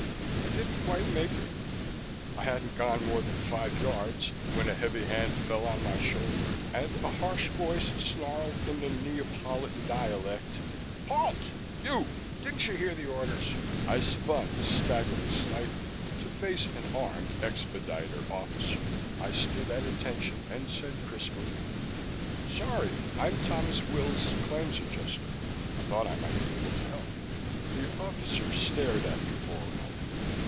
I didn't quite make it; I hadn't gone more than five yards when a heavy hand fell on my shoulder, and a harsh voice snarled in the Neapolitan dialect, "Halt, you! Didn't you hear the orders?" I spun, staggering slightly, to face an armed expediter officer. I stood at attention and said crisply, "Sorry. I'm Thomas Wills, Claims Adjuster. I thought I might be able to help." The officer stared at me for a moment.